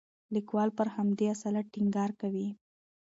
لیکوال پر همدې اصالت ټینګار کوي.